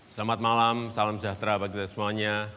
selamat malam salam sejahtera bagi kita semuanya